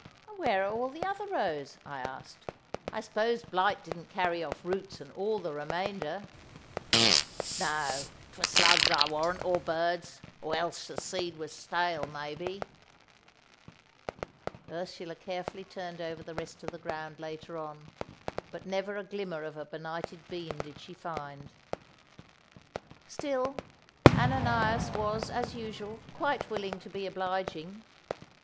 "And where are all the other rows," I asked; "I suppose blight didn't carry off roots and all of the remainder?" "No, 'twere slugs, I warrant, or birds, or else the seed were stale, maybe." Ursula carefully turned over the rest of the ground later on, but never a glimmer of a benighted bean did she find. Still, Ananias was, as usual, quite willing to be obliging.